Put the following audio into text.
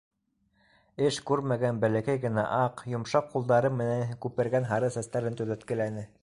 Эш күрмәгән бәләкәй генә аҡ, йомшаҡ ҡулдары менән күпергән һары сәстәрен төҙәткеләне.